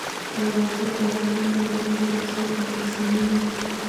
ولایتونه د افغانانو د ژوند طرز اغېزمنوي.